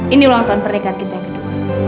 ini ulang tahun pernikahan kita yang kedua